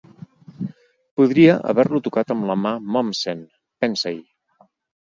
Podria haver-lo tocat amb la mà Mommsen! Pensa-hi!